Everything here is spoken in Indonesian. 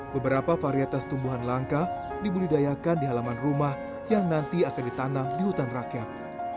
beberapa varietas tumbuhan langka dibudidayakan di halaman rumah yang nanti akan ditanam di hutan rakyat